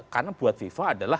karena buat viva adalah